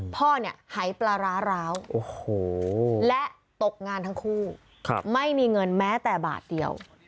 พ่อเนี่ยหายปลาร้าร้าวและตกงานทั้งคู่ไม่มีเงินแม้แต่บาทเดียว